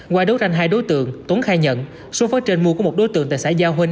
qua đấu tranh hai đối tượng tuấn khai nhận số pháo trên mua của một đối tượng tại xã giao huynh